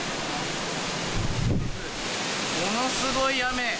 ものすごい雨。